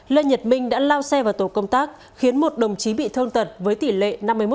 lê nhật minh đã lao xe vào tổ công tác khiến một đồng chí bị thương tật với tỷ lệ năm mươi một